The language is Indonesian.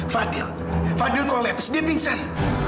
fadil fadil kolaps dia mingsan